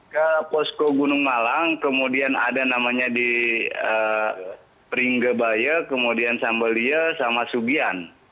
ke posko gunung malang kemudian ada namanya di pringebaya kemudian sambelia sama subian